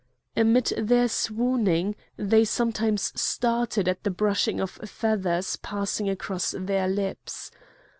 Amid their swooning, they sometimes started at the brushing of feathers passing across their lips.